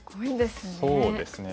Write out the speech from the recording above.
そうですね。